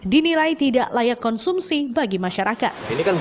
dinilai tidak layak konsumsi bagi masyarakat